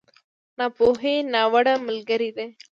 ناپوهي، ناوړه ملګری دی.